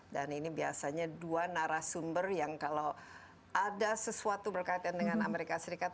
dan ini biasanya dua narasumber yang kalau ada sesuatu berkaitan dengan amerika serikat